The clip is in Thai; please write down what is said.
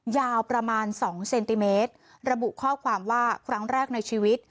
ยาวประมาณสองเซนติเมตรระบุข้อความว่าครั้งแรกในชีวิต